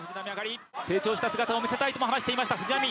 成長した姿を見せたいとも話していました藤波。